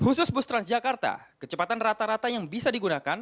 khusus bus transjakarta kecepatan rata rata yang bisa digunakan